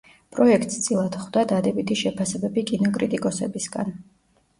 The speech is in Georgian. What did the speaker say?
პროექტს წილად ჰხვდა დადებითი შეფასებები კინოკრიტიკოსებისგან.